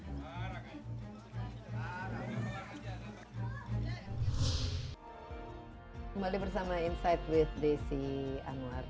kembali bersama insight with desi anwar